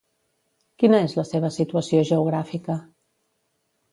Quina és la seva situació geogràfica?